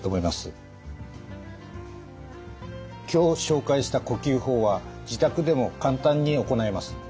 今日紹介した呼吸法は自宅でも簡単に行えます。